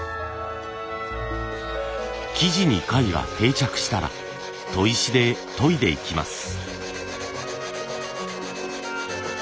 木地に貝が定着したら砥石で研いでいきます。